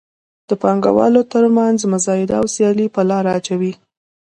د پانګوالو تر مینځ مزایده او سیالي په لاره اچوي.